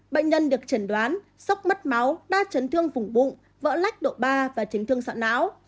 bệnh nhân được chẩn đoán sốc mất máu đa chấn thương vùng bụng vỡ lách độ ba và chấn thương sọ não